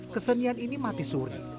kesenian ini mati suri